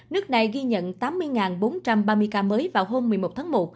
nước này ghi nhận tám mươi bốn trăm ba mươi ca mới vào hôm một mươi một tháng một